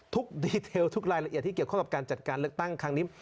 ดีเทลทุกรายละเอียดที่เกี่ยวข้องกับการจัดการเลือกตั้งครั้งนี้